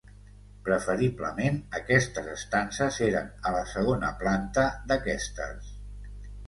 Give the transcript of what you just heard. Preferiblement aquestes estances eren a la segona planta d'aquestes.